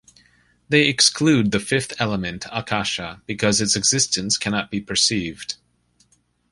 They exclude the fifth element, Akasha, because its existence cannot be perceived.